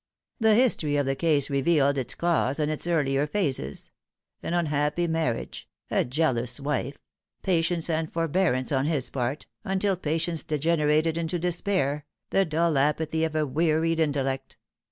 The history of the case revealed its cause and its earlier phases : an unhappy marriage, a jealous wife, patienee and forbearance on his part, until patience degenerated into despair, the dull apathy of a wearied intellect.